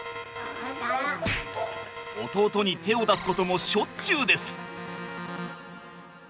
弟に手を出すこともしょっちゅうです。